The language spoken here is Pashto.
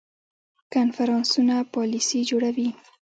کنفرانسونه پالیسي جوړوي